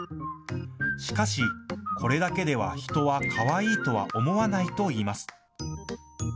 しかし、これだけでは人はかわいいとは思わないといいます。